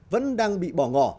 vẫn đang bị bỏ ngỏ